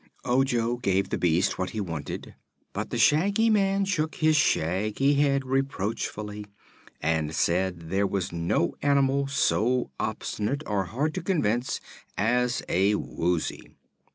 Ojo gave the beast what he wanted, but the Shaggy Man shook his shaggy head reproachfully and said there was no animal so obstinate or hard to convince as a Woozy.